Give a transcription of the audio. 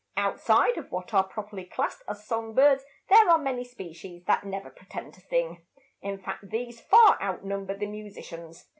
Outside of what are properly classed as song birds there are many species that never pretend to sing; in fact, these far outnumber the musicians.